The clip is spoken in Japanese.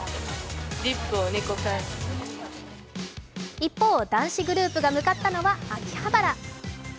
一方、男子グループが向かったのは秋葉原。